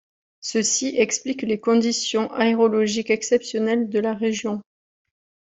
Ceci explique les conditions aérologiques exceptionnelles de la région.